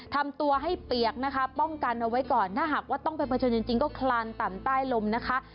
ทำตัวให้เปียกนะคะป้องกันเอาไว้ก่อนถ้าหากว่าต้องไปเผชิญจริงก็คลานต่ำใต้ลมนะคะ